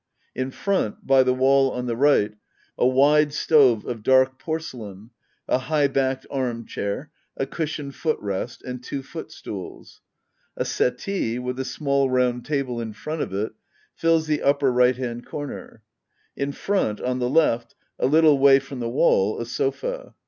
In front, by the wall on the right, a wide stove of dark porcelain, a high backed armchair, a cushioned foot rest, and two footstools. A settee, with a small round table in front of it, Jills the upper right hand comer. In front, on the left, a little way from the wall, a sofa.